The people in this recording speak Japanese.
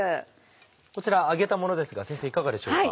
こちら揚げたものですが先生いかがでしょうか？